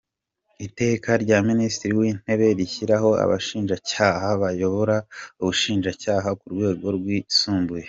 Iteka rya Minisitiri w’Intebe rishyiraho Abashinjacyaha bayobora Ubushinjacyaha ku Rwego Rwisumbuye :